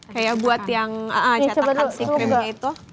kayak buat yang cetakan si krimnya itu